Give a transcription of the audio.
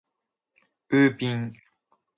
ウーピン